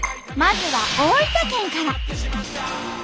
まずは大分県から。